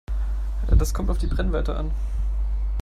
Das kommt auf die Brennweite an.